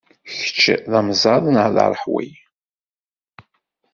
Kečč d amẓad neɣ d aṛeḥwi?